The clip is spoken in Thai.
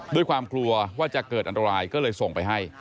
ด้วยความกลัวว่าจะเกิดอันตรายก็เลยส่งไปให้